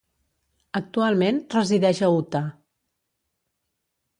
Actualment resideix a Utah.